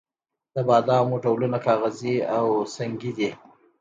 د بادامو ډولونه کاغذي او سنګي دي.